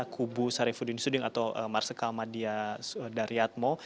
kubu sarefudin suding atau marsya kalamadiyah daryatmo